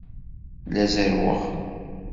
La zerrweɣ.